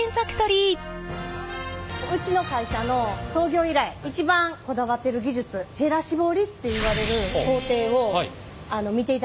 うちの会社の創業以来一番こだわってる技術へら絞りっていわれる工程を見ていただきたいなと思ってます。